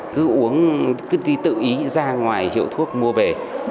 cứ uống cứ ti tự ý ra ngoài hiệu thuốc mua về